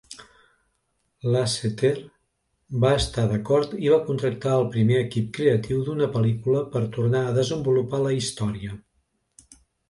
Lasseter va estar d'acord i va contractar el primer equip creatiu d'una pel·lícula per tornar a desenvolupar la història.